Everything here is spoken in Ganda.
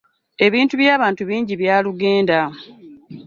Ebintu by'abantu bingi byalugenda.